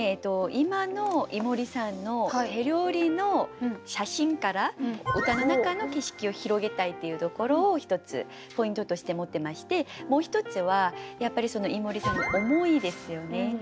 今の井森さんの手料理の写真から歌の中の景色を広げたいっていうところを１つポイントとして持ってましてもう１つはやっぱり井森さんの思いですよね。